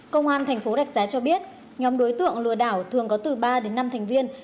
công an thành phố rạch giá cho biết nhóm đối tượng lừa đảo thường có từ ba đến năm thành viên